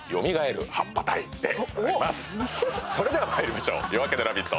それではまいりましょう、「夜明けのラヴィット！」